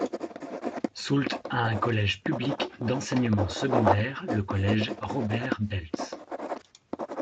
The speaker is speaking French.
Soultz a un collège public d'enseignement secondaire, le collège Robert Beltz.